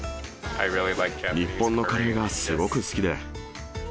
日本のカレーがすごく好きで。